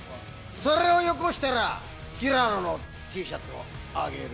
それをよこしたら平野のＴシャツをあげるよ。